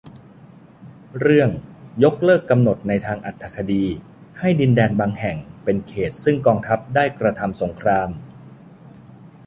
เรื่อง ยกเลิกกำหนดในทางอรรถคดีให้ดินแดนบางแห่งเป็นเขตต์ซึ่งกองทัพได้กระทำสงคราม